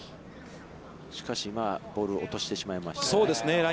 しかし、ボールを落としてしまいましたね。